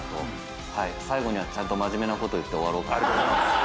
最後はちゃんと真面目なことを言って終わろうかなと。